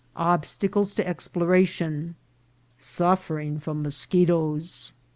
— Ob stacles to Exploration.— Suffering from Moschetoes.